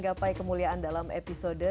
gapai kemuliaan dalam episode